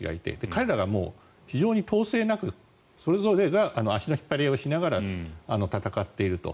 彼らが非常に統制なくそれぞれが足の引っ張り合いをしながら戦っていると。